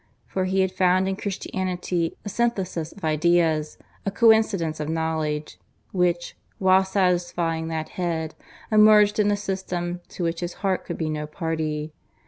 For he had found in Christianity a synthesis of ideas a coincidence of knowledge which, while satisfying that head, emerged in a system to which his heart could be no party.